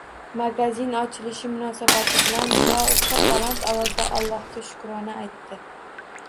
Magazin ochilishi munosabati bilan duo o`qib, baland ovozda Ollohga shukrona aytdi